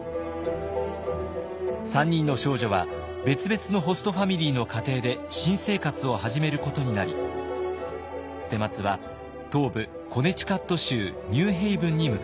３人の少女は別々のホストファミリーの家庭で新生活を始めることになり捨松は東部コネチカット州ニューヘイブンに向かいます。